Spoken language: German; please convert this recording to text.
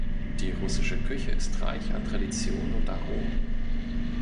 Die russische Küche ist reich an Traditionen und Aromen.